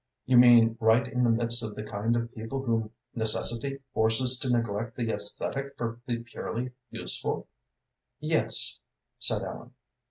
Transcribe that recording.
"You mean right in the midst of the kind of people whom necessity forces to neglect the æsthetic for the purely useful?" "Yes," said Ellen.